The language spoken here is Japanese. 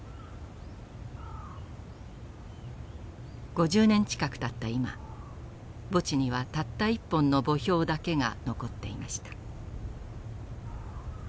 ５０年近くたった今墓地にはたった一本の墓標だけが残っていました。